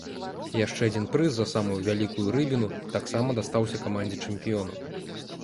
Яшчэ адзін прыз, за самую вялікую рыбіну, таксама дастаўся камандзе-чэмпіёну.